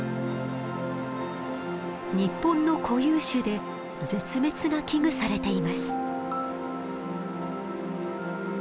日本の固有種で絶滅が危惧されています。